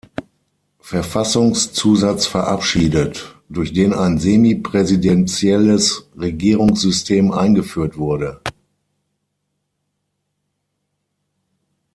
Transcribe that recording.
Verfassungszusatz verabschiedet, durch den ein semi-präsidentielles Regierungssystem eingeführt wurde.